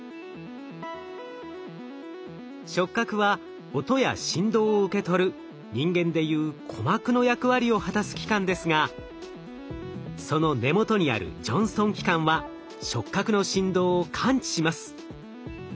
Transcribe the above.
触角は音や振動を受け取る人間でいう鼓膜の役割を果たす器官ですがその根元にあるジョンストン器官は触角の振動を感知します。